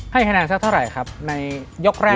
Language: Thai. ให้คะแนนสักเท่าไหร่ครับในยกแรก